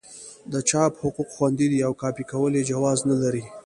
د چاپ حقوق خوندي دي او کاپي کول یې جواز نه لري.